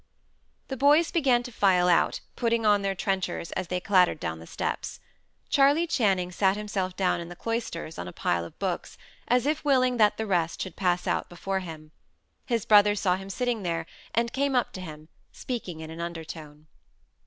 The boys began to file out, putting on their trenchers, as they clattered down the steps. Charley Channing sat himself down in the cloisters on a pile of books, as if willing that the rest should pass out before him. His brother saw him sitting there, and came up to him, speaking in an undertone.